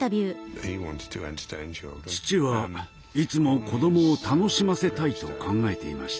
父はいつも子供を楽しませたいと考えていました。